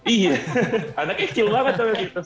iya anaknya kecil banget